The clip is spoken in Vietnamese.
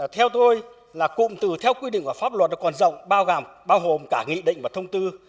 theo tôi là cụm từ theo quy định của pháp luật còn rộng bao gàm bao gồm cả nghị định và thông tư